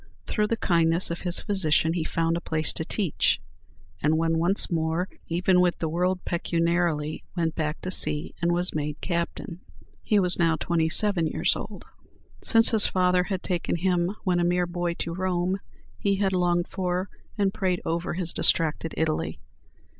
Through the kindness of his physician, he found a place to teach, and when once more even with the world pecuniarily, went back to sea, and was made captain. He was now twenty seven years old. Since his father had taken him when a mere boy to Rome, he had longed for and prayed over his distracted Italy.